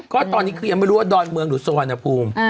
ก็ตอนนี้คือยังไม่รู้ว่าดอนเมืองหรือสุวรรณภูมิ